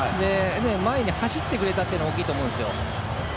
前に走ってくれたというのが大きいと思うんですよ。